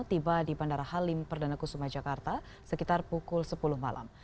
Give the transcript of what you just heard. tiba di bandara halim perdana kusuma jakarta sekitar pukul sepuluh malam